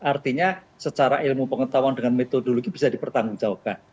artinya secara ilmu pengetahuan dengan metodologi bisa dipertanggungjawabkan